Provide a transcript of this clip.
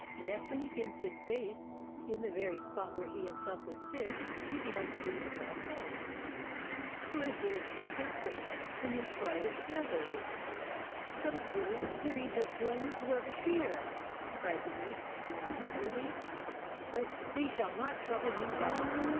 Nestling against its base, in the very spot where he himself would sit, he beheld three small forms. Who had dared to place them there, in his private snuggery? "Some frivolous breeze has blown this rubbish here!" cried the East Wind, angrily. "But they shall not trouble me long!